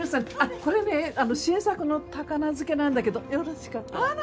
これね新作の高菜漬けなんだけどよろしかったら。